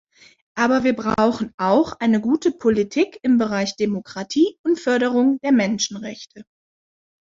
Aber wir brauchen auch eine gute Politik im Bereich Demokratie und Förderung der Menschenrechte.